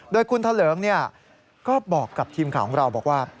โดยคุณทะเลิงก็บอกกับทีมข่าวของเราบอกว่า